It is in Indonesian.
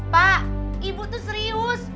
pak ibu tuh serius